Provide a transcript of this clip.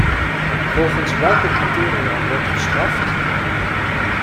Volgens welke criteria wordt gestraft?